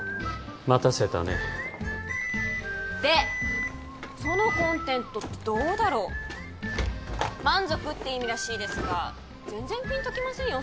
待たせたねで Ｓｏｎｏｃｏｎｔｅｎｔｏ ってどうだろう満足って意味らしいですが全然ピンときませんよ